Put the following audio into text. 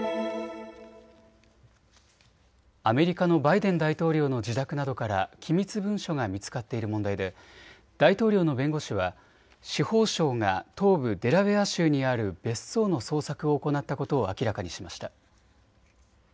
アメリカのバイデン大統領の自宅などから機密文書が見つかっている問題で大統領の弁護士は司法省が東部デラウェア州にある別荘の捜索を行ったことを明らかにしました。